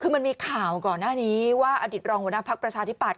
คือมันมีข่าวก่อนหน้านี้ว่าอดีตรองหัวหน้าภักดิ์ประชาธิปัต